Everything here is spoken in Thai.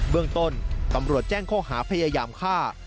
เมืองต้นตำรวจแจ้งข้อหาพยายามฆ่า